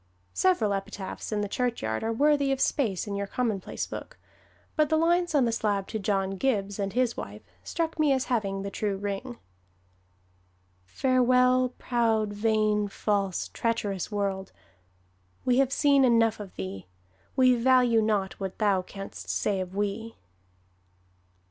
Several epitaphs in the churchyard are worthy of space in your commonplace book, but the lines on the slab to John Gibbs and wife struck me as having the true ring: "Farewell, proud, vain, false, treacherous world, We have seen enough of thee: We value not what thou canst say of we."